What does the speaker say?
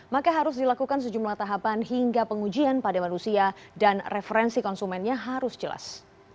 maka harus dilakukan sejumlah tahapan hingga pengujian pada manusia dan referensi konsumennya harus jelas